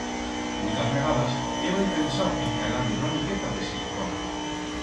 Muitas vegadas hébai pensau en calar-me una miqueta de silicona.